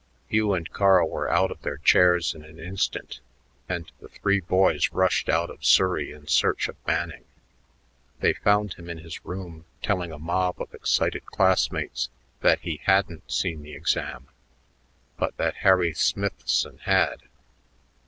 Hugh and Carl were out of their chairs in an instant, and the three boys rushed out of Surrey in search of Manning. They found him in his room telling a mob of excited classmates that he hadn't seen the exam but that Harry Smithson had.